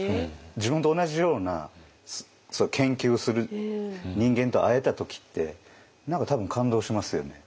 自分と同じような研究をする人間と会えた時って何か多分感動しますよね。